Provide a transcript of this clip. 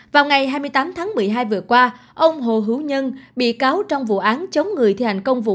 vào ngày hai mươi tám tháng một mươi hai vừa qua ông hồ hữu nhân bị cáo trong vụ án chống người thi hành công vụ